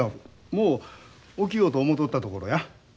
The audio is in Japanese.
もう起きようと思とったところや。